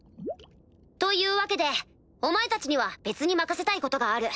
というわけでお前たちには別に任せたいことがある。